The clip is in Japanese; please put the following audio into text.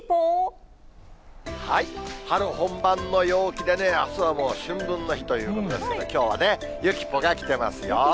春本番の陽気でね、あすはもう春分の日ということですので、きょうはね、ゆきポが来てますよ。